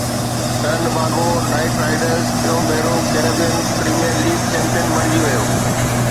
Trinbago Knight Riders ٽيون ڀيرو Caribbean Premier League champion بڻجي ويو